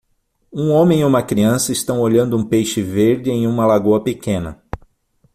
Um homem e uma criança estão olhando um peixe verde em uma lagoa pequena.